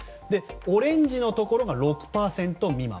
オレンジのところが６％未満。